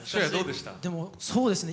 でもそうですね。